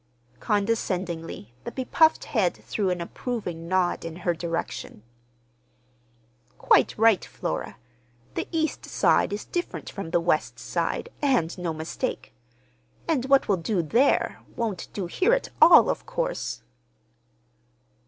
Condescendingly the bepuffed head threw an approving nod in her direction. "Quite right, Flora. The East Side is different from the West Side, and no mistake. And what will do there won't do here at all, of course."